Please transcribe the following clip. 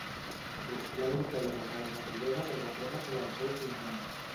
Rufián li talla les ales a Rivera per la broma sobre el seu cognom.